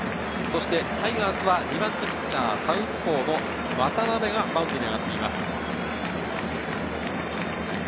タイガースの２番手ピッチャーはサウスポーの渡邉がマウンドに上がっています。